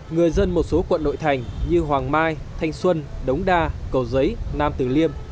người dân một số quận nội thành như hoàng mai thanh xuân đống đa cầu giấy nam tử liêm